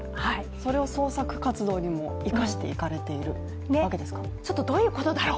それを創作活動にも生かしていかれるということですか。